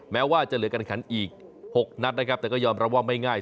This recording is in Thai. แม้ว่าจะเหลือการขันอีก๖นัดนะครับแต่ก็ยอมรับว่าไม่ง่าย